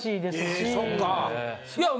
えそっか。